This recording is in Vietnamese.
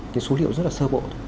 cái số liệu rất là sơ bộ